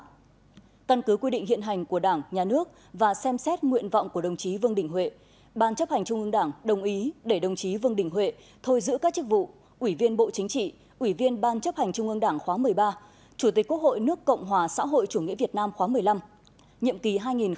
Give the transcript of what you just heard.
căn cứ quy định hiện hành của đảng nhà nước và xem xét nguyện vọng của đồng chí vương đình huệ ban chấp hành trung ương đảng đồng ý để đồng chí vương đình huệ thôi giữ các chức vụ ủy viên bộ chính trị ủy viên ban chấp hành trung ương đảng khóa một mươi ba chủ tịch quốc hội nước cộng hòa xã hội chủ nghĩa việt nam khóa một mươi năm nhiệm kỳ hai nghìn một mươi sáu hai nghìn hai mươi một